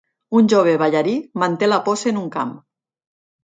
Un jove ballarí manté la pose en un camp